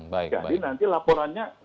jadi nanti laporannya